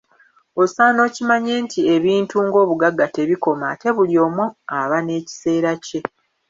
Osaana okimanye nti ebintu ng’obugagga tebikoma ate buli omu aba n’ekiseera kye.